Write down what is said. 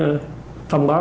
để được thông báo